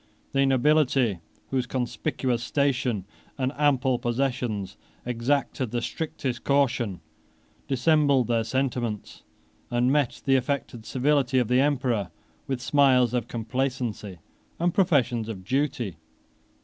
The nobility, whose conspicuous station, and ample possessions, exacted the strictest caution, dissembled their sentiments, and met the affected civility of the emperor with smiles of complacency and professions of duty.